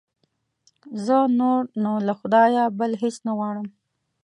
زه نور نو له خدایه بل هېڅ نه غواړم.